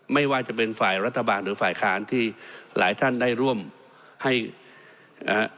ไม่ว่าจะเป็นฝ่ายรัฐบาลหรือฝ่ายค้านที่หลายท่านได้ร่วมให้นะฮะ